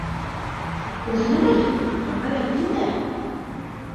O‘zi nima gap, avval ayting-da!